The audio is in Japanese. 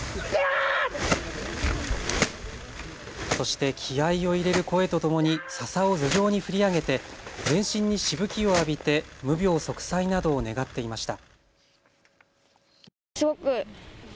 そして気合いを入れる声とともにささを頭上に振り上げて全身にしぶきを浴びて無病息災などを願っていました。